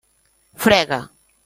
Frega.